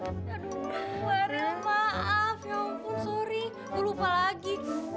aduh marin maaf ya ampun sorry gue lupa lagi